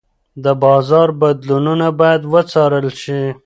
د بازار بدلونونه باید وڅارل شي.